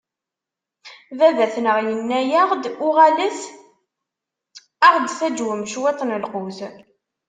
Baba-tneɣ, inna-yaɣ-d: Uɣalet ad ɣ-d-taǧwem cwiṭ n lqut.